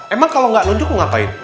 emang kalau gak tunjuk mau ngapain